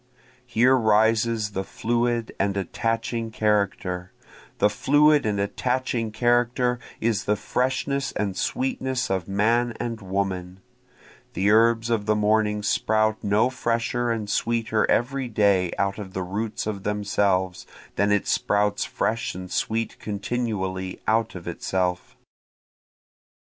Here rises the fluid and attaching character, The fluid and attaching character is the freshness and sweetness of man and woman, (The herbs of the morning sprout no fresher and sweeter every day out of the roots of themselves, than it sprouts fresh and sweet continually out of itself.)